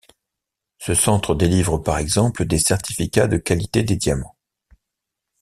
Ce centre délivre par exemple des certificats de qualité des diamants.